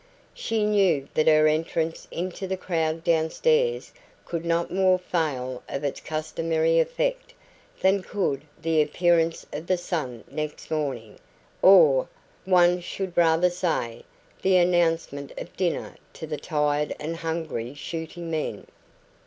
She knew that her entrance into the crowd downstairs could no more fail of its customary effect than could the appearance of the sun next morning or, one should rather say, the announcement of dinner to the tired and hungry shooting men.